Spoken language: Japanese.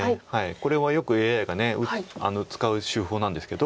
これはよくＡＩが使う手法なんですけど。